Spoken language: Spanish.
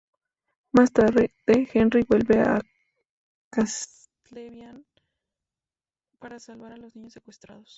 Más tarde, Henry vuelve a Castlevania para salvar a los niños secuestrados.